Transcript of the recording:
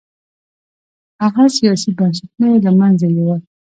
هغه سیاسي بنسټونه یې له منځه یووړل